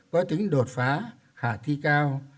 có tính đột pháp khả thi cao